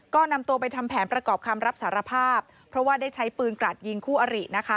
ก็นำตัวไปทำแผนประกอบคำรับสารภาพเพราะว่าได้ใช้ปืนกราดยิงคู่อรินะคะ